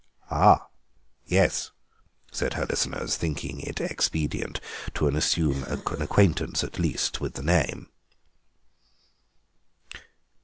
"Ah, yes," said her listeners, thinking it expedient to assume an acquaintance at least with the name.